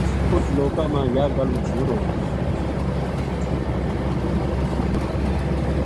اُت لوکاں ما یاہ گل مشہور ہو گئی